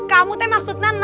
kamu seperti biasa gini ya pak